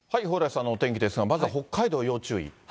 蓬莱さんのお天気ですが、まずは北海道、要注意。